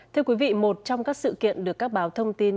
thưa quý vị một trong các sự kiện được các báo thông tin